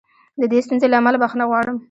د دې ستونزې له امله بښنه غواړم.